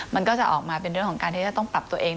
มันก็จะออกมาเป็นเรื่องของการที่จะต้องปรับตัวเอง